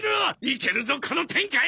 いけるぞこの展開！